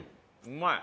うまい。